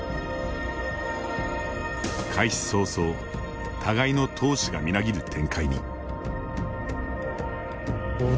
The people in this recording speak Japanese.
開始早々互いの闘志がみなぎる展開に。